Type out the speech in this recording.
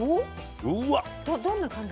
どんな感じなの？